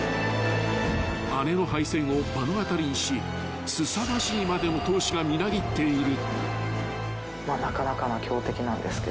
［姉の敗戦を目の当たりにしすさまじいまでの闘志がみなぎっている］